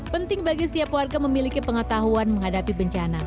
penting bagi setiap warga memiliki pengetahuan menghadapi bencana